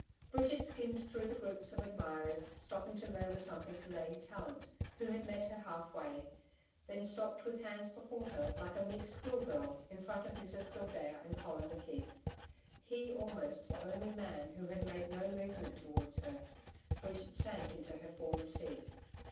Bridget skimmed through the groups of admirers, stopping to murmur something to Lady Tallant who had met her half way; then stopped with hands before her like a meek schoolgirl, in front of Mrs Gildea and Colin McKeith he almost the only man who had made no movement towards her. Bridget sank into her former seat.